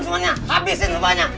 saya min rebus ceh